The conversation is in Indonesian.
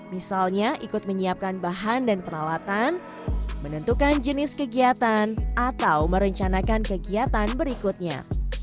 misalnya ikut menyiapkan bahan dan peralatan menentukan jenis kegiatan atau merencanakan kegiatan berikutnya